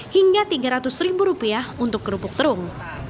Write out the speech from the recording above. hingga rp tiga ratus untuk kerupuk terung